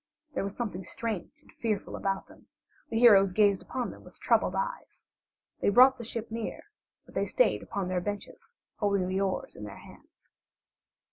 There was something strange and fearful about them; the heroes gazed upon them with troubled eyes. They brought the ship near, but they stayed upon their benches, holding the oars in their hands.